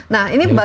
nah ini bagi